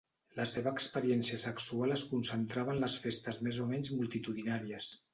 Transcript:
La seva experiència sexual es concentrava en les festes més o menys multitudinàries.